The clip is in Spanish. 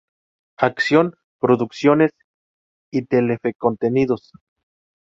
Acción Producciones y Telefe Contenidos.